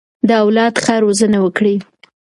د اولاد ښه روزنه وکړئ.